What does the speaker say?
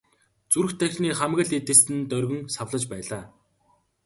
Зүрх тархины хамаг л эд эс нь доргин савлаж байлаа.